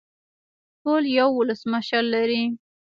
ټول یو ولسمشر لري